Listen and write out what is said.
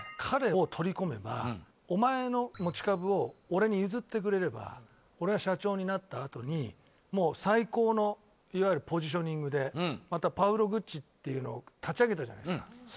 彼を取り込めばお前の持ち株を俺に譲ってくれれば俺が社長になったあとにもう最高のいわゆるポジショニングでまた「パウロ・グッチ」っていうのを立ち上げたじゃないですか